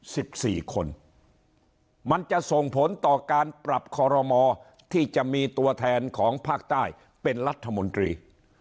สิบสี่คนมันจะส่งผลต่อการปรับคอรมอที่จะมีตัวแทนของภาคใต้เป็นรัฐมนตรี